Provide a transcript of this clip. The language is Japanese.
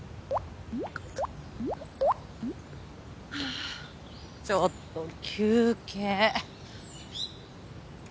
あちょっと休憩。